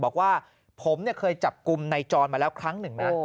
บอกว่าผมเคยจับกลุ่มนายจรมาแล้วครั้งหนึ่งนะ